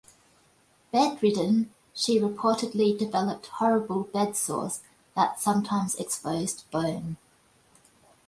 Bedridden, she reportedly developed horrible bed sores that sometimes exposed bone.